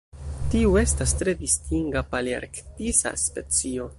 Tiu estas tre distinga palearktisa specio.